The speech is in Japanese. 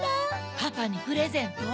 パパにプレゼント？